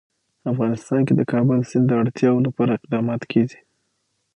افغانستان کې د کابل سیند د اړتیاوو لپاره اقدامات کېږي.